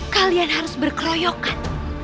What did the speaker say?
kalian harus berkeroyokan